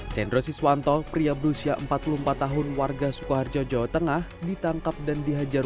chandro siswanto pria berusia empat puluh empat tahun warga sukoharjo jawa tengah ditangkap dan dihajar